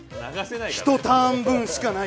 １ターン分しかない